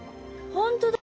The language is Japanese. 本当だ！